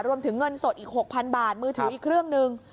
รวมถึงเงินสดอีก๖๐๐๐บาทมือถืออีกเครื่องหนึ่ง